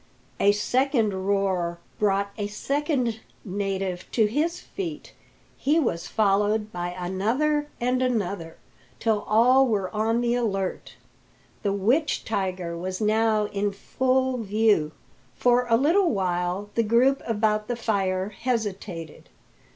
A second roar brought a second native to his feet. He was followed by another and another, till all were on the alert. The witch tiger was now in full view. For a little while the group about the fire hesitated.